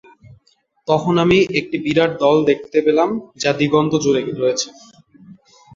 তখন আমি একটি বিরাট দল দেখতে পেলাম যা দিগন্ত জুড়ে রয়েছে।